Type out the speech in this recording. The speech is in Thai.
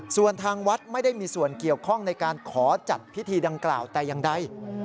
ส่วนทางวัดไม่ได้มีส่วนเกี่ยวข้องในการขอจัดพิธีดังกล่าวแต่อย่างใด